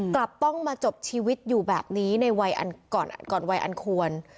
กลับต้องมาจบชีวิตอยู่แบบนี้ในวัยก่อนวัยอันควร